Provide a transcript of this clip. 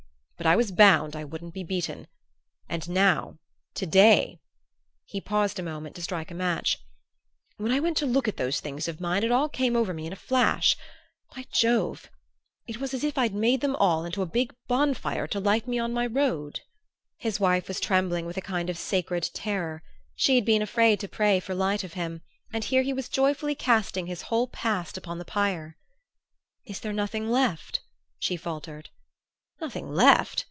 But I was bound I wouldn't be beaten, and now, to day" he paused a moment to strike a match "when I went to look at those things of mine it all came over me in a flash. By Jove! it was as if I'd made them all into a big bonfire to light me on my road!" His wife was trembling with a kind of sacred terror. She had been afraid to pray for light for him, and here he was joyfully casting his whole past upon the pyre! "Is there nothing left?" she faltered. "Nothing left?